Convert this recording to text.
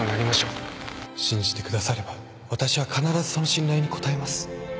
信じてくださればわたしは必ずその信頼に応えます